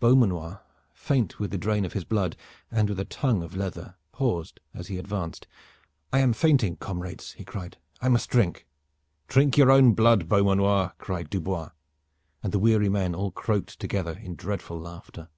Beaumanoir, faint with the drain of his blood and with a tongue of leather, paused as he advanced. "I am fainting, comrades," he cried. "I must drink." "Drink your own blood, Beaumanoir!" cried Dubois, and the weary men all croaked together in dreadful laughter.